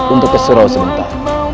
untuk keserau sebentar